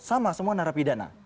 sama semua narapidana